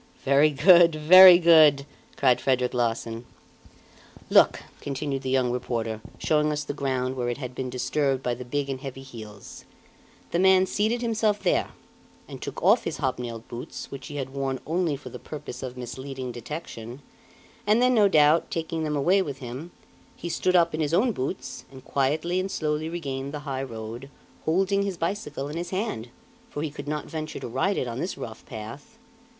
"Very good! Very good!" cried Frederic Larsan. "Look!" continued the young reporter, showing us the ground where it had been disturbed by big and heavy heels; "the man seated himself there, and took off his hobnailed boots, which he had worn only for the purpose of misleading detection, and then no doubt, taking them away with him, he stood up in his own boots, and quietly and slowly regained the high road, holding his bicycle in his hand, for he could not venture to ride it on this rough path.